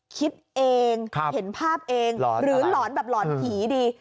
คิดเองเห็นภาพเองหรือหลอนแบบหลอนผีดี